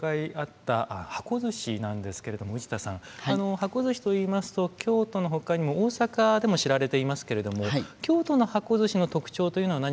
箱ずしといいますと京都のほかにも大阪でも知られていますけれども京都の箱ずしの特徴というのは何かあるんでしょうか？